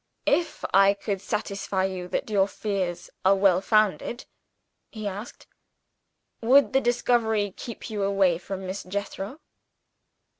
"If I could satisfy you that your fears are well founded," he asked, "would the discovery keep you away from Miss Jethro?"